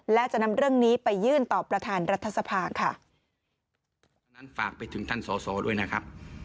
และจะนำเรื่องนี้ไปยื่นต่อประธานรัฐสภาค่ะ